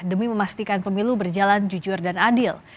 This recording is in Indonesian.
demi memastikan pemilu berjalan jujur dan adil